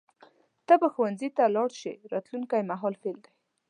ته به ښوونځي ته لاړ شې راتلونکي مهال فعل دی.